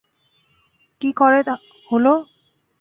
কী করে হলো?